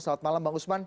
selamat malam bang usman